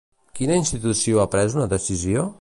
Quina institució ha pres una decisió?